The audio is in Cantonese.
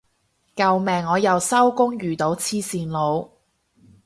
救命我又收工遇到黐線佬